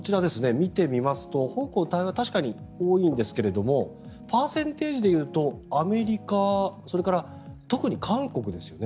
見てみると香港、台湾は確かに多いですがパーセンテージで言うとアメリカそれから特に韓国ですよね。